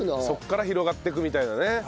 そこから広がってくみたいなね。